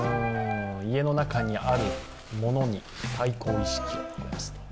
家の中にある物に対抗意識です。